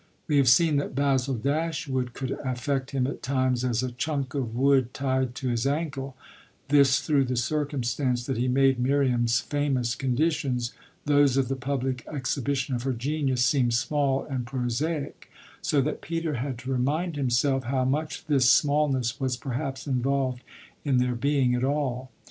We have seen that Basil Dashwood could affect him at times as a chunk of wood tied to his ankle this through the circumstance that he made Miriam's famous conditions, those of the public exhibition of her genius, seem small and prosaic; so that Peter had to remind himself how much this smallness was perhaps involved in their being at all.